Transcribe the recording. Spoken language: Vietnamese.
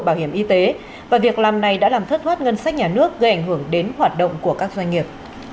bảo hiểm y tế và việc làm này đã làm thất thoát ngân sách nhà nước gây ảnh hưởng đến hoạt động của các doanh nghiệp